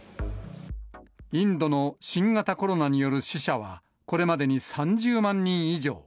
インドの新型コロナによる死者は、これまでに３０万人以上。